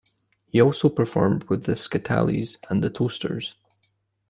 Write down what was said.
He has also performed with the Skatalites and The Toasters.